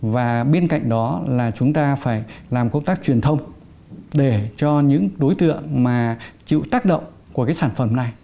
và bên cạnh đó là chúng ta phải làm công tác truyền thông để cho những đối tượng mà chịu tác động của cái sản phẩm này